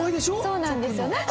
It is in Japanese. そうなんですよ。